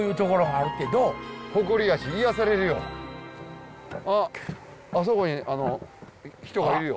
あっあそこにあの人がいるよ。